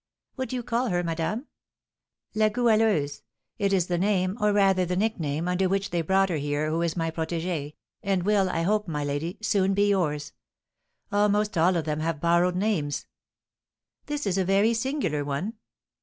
"What do you call her name, madame?" "La Goualeuse; it is the name, or rather the nickname, under which they brought her here who is my protégée, and will, I hope, my lady, soon be yours. Almost all of them have borrowed names." "This is a very singular one."